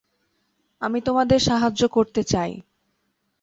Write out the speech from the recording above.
আমি তোমাদের সাহায্য করতে চাই।